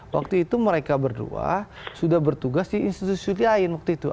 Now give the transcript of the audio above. waktu itu mereka berdua sudah bertugas di institusi lain waktu itu